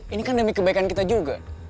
ini kan demi kebaikan kita juga